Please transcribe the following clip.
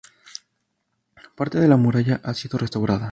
Parte de la muralla ha sido restaurada.